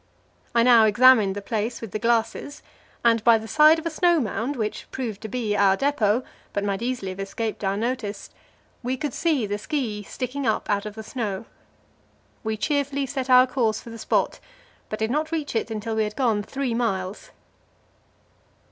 I now examined the place with the glasses, and by the side of a snow mound, which proved to be our depot, but might easily have escaped our notice, we could see the ski sticking up out of the snow. We cheerfully set our course for the spot, but did not reach it until we had gone three miles.